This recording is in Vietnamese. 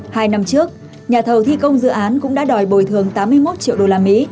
hai năm trước nhà thầu thi công dự án cũng đã đòi bồi thường tám mươi một triệu usd